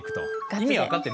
意味分かってる？